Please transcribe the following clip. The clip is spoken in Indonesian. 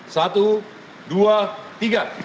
satu dua tiga